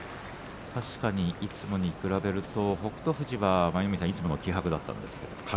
いつもに比べると北勝富士はいつもの気迫だったんですけどね。